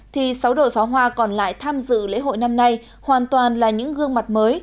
thì sáu đội pháo hoa còn lại tham dự lễ hội năm nay hoàn toàn là những gương mặt mới